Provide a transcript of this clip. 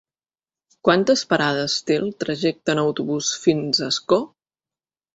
Quantes parades té el trajecte en autobús fins a Ascó?